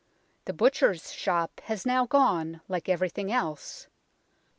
The butcher's shop has now gone, like everything else.